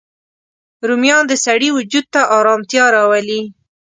رومیان د سړی وجود ته ارامتیا راولي